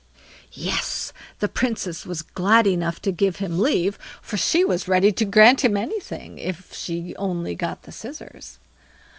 Yes! the Princess was glad enough to give him leave, for she was ready to grant him anything if she only got the scissors.